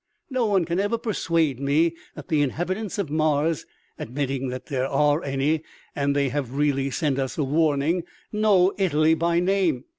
No one can ever persuade me that the inhabitants of Mars admitting that there are any and they have really sent us a warning know Italy by name.